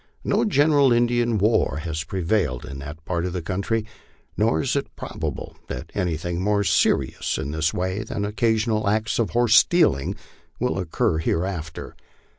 No general Indian war has prevailed in that part of the country, nor is it probable that anything more serious in this way than occa sional acts of horse stealing will occur hereafter.